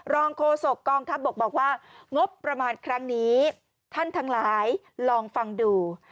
รองโคศกองค์บอกว่างบประมาณครั้งนี้ท่านทางหลายลองฟังดู